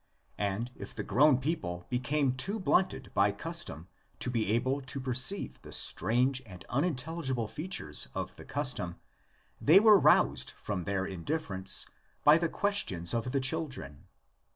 And if the grown people became too blunted by custom to be able to per ceive the strange and unintelligible features of the custom, they were roused from their indifference by the questions of the children.